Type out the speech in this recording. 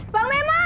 bang meman sini loh